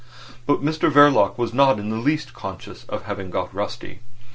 But Mr Verloc was not in the least conscious of having got rusty.